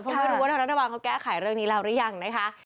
เพราะไม่รู้ว่าทางรัฐบาลเขาแก้ไขเรื่องนี้แล้วหรือยังนะคะ